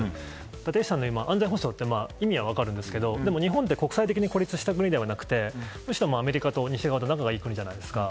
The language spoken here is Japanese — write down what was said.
立石さんの安全保障って意味は分かるんですが日本って国際的に孤立した国ではなくてアメリカや西側と仲がいい国じゃないですか。